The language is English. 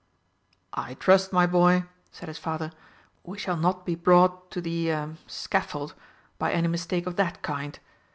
"I trust, my boy," said his father, "we shall not be brought to the er scaffold by any mistake of that kind.